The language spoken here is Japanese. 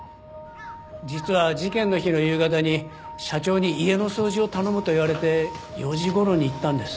実は事件の日の夕方に社長に家の掃除を頼むと言われて４時頃に行ったんです。